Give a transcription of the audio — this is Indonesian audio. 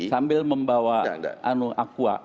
sambil membawa aqua